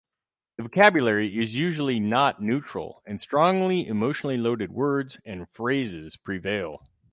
The vocabulary is usually not neutral, and strongly emotionally loaded words and phrases prevail.